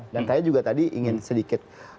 dan saya juga tadi ingin sedikit